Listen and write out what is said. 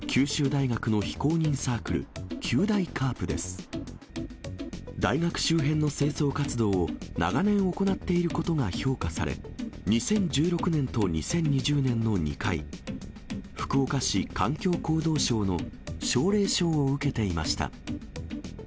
大学周辺の清掃活動を長年行っていることが評価され、２０１６年と２０２０年の２回、福岡市環境行動賞の奨励賞を受けていました。